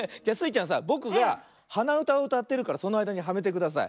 ちゃんさぼくがはなうたをうたってるからそのあいだにはめてください。